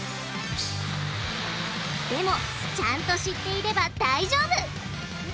でもちゃんと知っていれば大丈夫！